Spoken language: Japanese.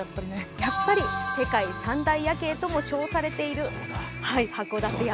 やはり世界三大夜景とも称されている函館山。